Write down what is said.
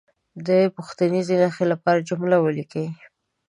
د پوښتنیزې نښې لپاره جمله ولیکي.